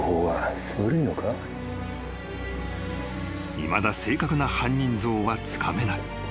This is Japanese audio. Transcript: ［いまだ正確な犯人像はつかめない］